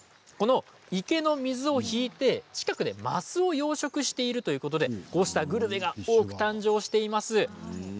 池の水を引いて近くでマスを養殖しているということでグルメが多く誕生しています。